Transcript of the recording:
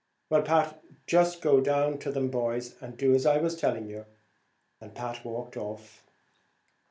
Well, Pat, jist go down to them boys, and do as I was telling you," and Pat walked off.